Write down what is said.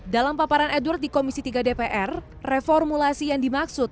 dalam paparan edward di komisi tiga dpr reformulasi yang dimaksud